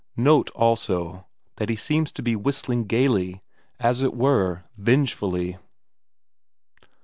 Note, also, that he seems to be whistling gaily, as it were vengefully.